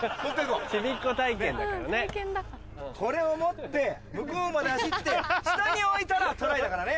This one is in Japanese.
これを持って向こうまで走って下に置いたらトライだからね。